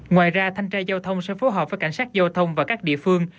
ngoài ra thanh tra giao thông sẽ phối hợp với cảnh sát giao thông và các địa phương